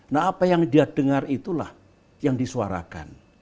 nah apa yang dia dengar itulah yang disuarakan